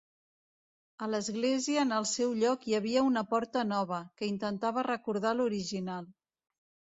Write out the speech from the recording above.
A l'església en el seu lloc hi havia una porta nova, que intentava recordar l'original.